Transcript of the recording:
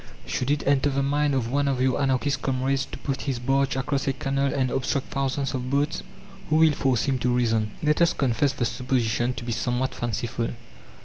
Should it enter the mind of one of your Anarchist 'comrades' to put his barge across a canal and obstruct thousands of boats, who will force him to reason?" Let us confess the supposition to be somewhat fanciful.